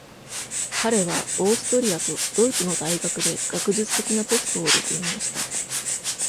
彼はオーストリアとドイツの大学で学術的なポストを歴任した。